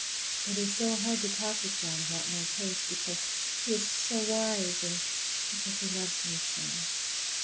It is so hard to talk with John about my case, because he is so wise, and because he loves me so.